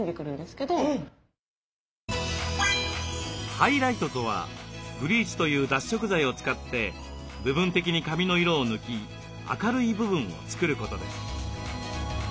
「ハイライト」とはブリーチという脱色剤を使って部分的に髪の色を抜き明るい部分を作ることです。